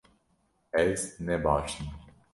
Ez ne baş im